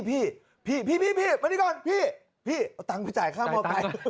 พี่มานี่ก่อนพี่เอาตังค์ไปจ่ายค่ามอเตอร์ไกล